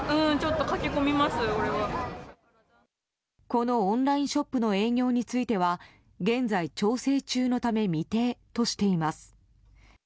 このオンラインショップの営業については現在調整中のため未定としています。